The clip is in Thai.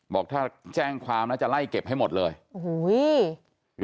บอกจะแจ้งความจะไล่เก็บให้หมดเลย